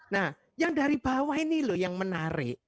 nah yang dari bawah ini loh yang menarik